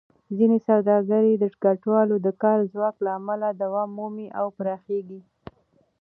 ځینې سوداګرۍ د کډوالو د کار ځواک له امله دوام مومي او پراخېږي.